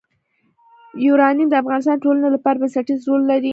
یورانیم د افغانستان د ټولنې لپاره بنسټيز رول لري.